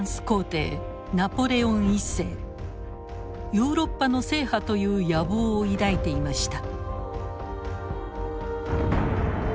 ヨーロッパの制覇という野望を抱いていました。